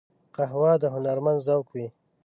قهوه د هنرمند ذوق وي